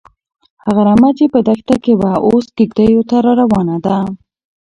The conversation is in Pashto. هغه رمه چې په دښته کې وه، اوس کيږديو ته راروانه ده.